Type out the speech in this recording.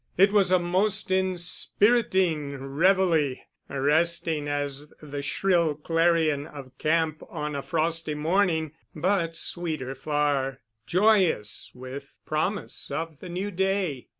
It was a most inspiriting reveille, arresting as the shrill clarion of camp on a frosty morning; but sweeter far, joyous with promise of the new day.